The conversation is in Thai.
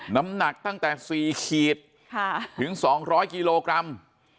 น้ำหนักตั้งแต่๔ขีดถึง๒๐๐กิโลกรัม